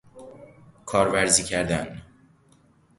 کارورزی کردن